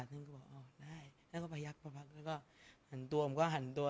ฉันก็ว่าอ๋อได้แล้วก็ไปยักษ์พักแล้วก็หันตัวผมก็หันตัว